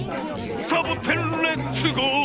「サボテンレッツゴー！」